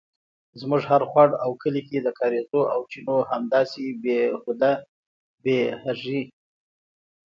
زموږ هر خوړ او کلي کې د کاریزو او چینو همداسې بې هوده بیهږي